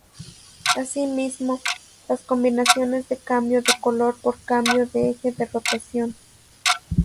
Así mismo, las combinaciones de cambio de color por cambio de eje de rotación.